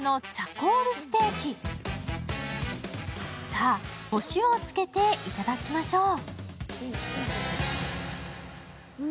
さあ、お塩をつけていただきましょう。